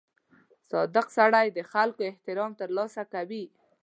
• صادق سړی د خلکو احترام ترلاسه کوي.